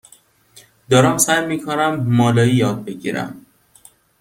دارم سعی می کنم مالایی یاد بگیرم.